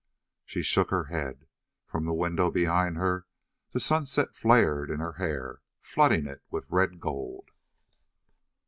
She shook her head. From the window behind her the sunset light flared in her hair, flooding it with red gold.